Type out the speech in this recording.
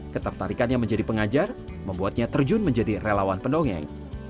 ketertarikannya menjadi pengajar membuatnya terjun menjadi relawan pendongeng